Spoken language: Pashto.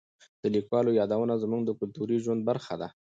د لیکوالو یادونه زموږ د کلتوري ژوند برخه ده.